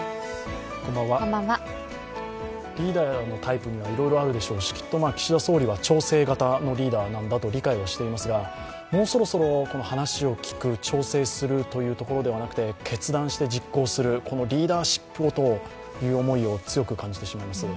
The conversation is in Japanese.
リーダーのタイプにはいろいろあるでしょうし、きっと岸田総理は調整型のリーダーなんだと理解はしていますが、もうそろそろ話を聞く調整するというところではなくて決断して実行する、このリーダーシップを強くと思ってしまいます。